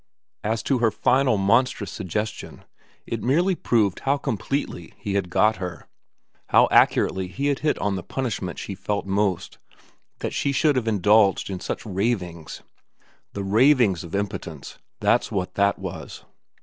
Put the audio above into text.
As to her final monstrous suggestion, it merely proved how completely he had got her, how accurately he had hit on the punishment she felt most, that she should have indulged in such ravings. The ravings of impotence, that's what that was.